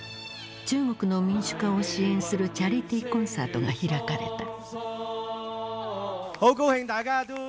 中国の民主化を支援するチャリティーコンサートが開かれた。